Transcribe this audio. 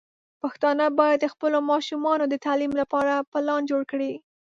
پښتانه بايد د خپلو ماشومانو د تعليم لپاره پلان جوړ کړي.